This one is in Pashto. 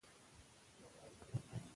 هغه کسان چي په لاهور کي وو تړون یې وکړ.